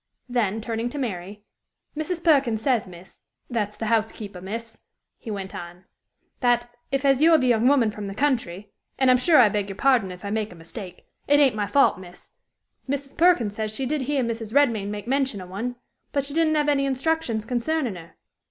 Then, turning to Mary, "Mrs. Perkin says, miss that's the housekeeper, miss," he went on, " that, if as you're the young woman from the country and I'm sure I beg your pardon if I make a mistake it ain't my fault, miss Mrs. Perkin says she did hear Mrs. Redmain make mention of one, but she didn't have any instructions concerning her.